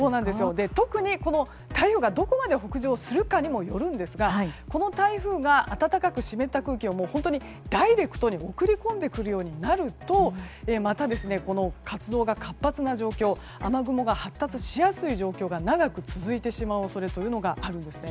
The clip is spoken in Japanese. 特に台風がどこまで北上するかによりますがこの台風が暖かく湿った空気を本当にダイレクトに送り込んでくるようになるとまた活動が活発な状況雨雲が発達しやすい状況が長く続いてしまう恐れがあるんですね。